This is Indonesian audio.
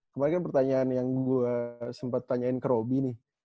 kemarin kan pertanyaan yang gue sempat tanyain ke roby nih